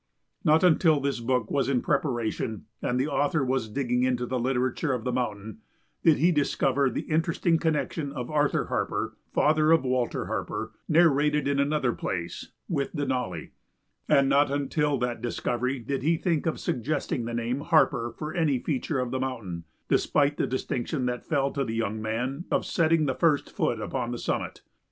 Not until this book was in preparation and the author was digging into the literature of the mountain did he discover the interesting connection of Arthur Harper, father of Walter Harper, narrated in another place, with Denali, and not until that discovery did he think of suggesting the name Harper for any feature of the mountain, despite the distinction that fell to the young man of setting the first foot upon the summit.